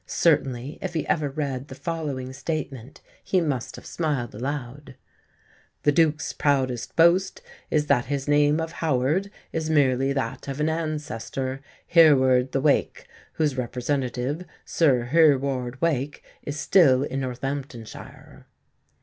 Certainly, if he ever read the following statement he must have smiled aloud: "The Duke's proudest boast is that his name of Howard is merely that of an ancestor, Hereward the Wake, whose representative, Sir Hereward Wake, is still in Northamptonshire."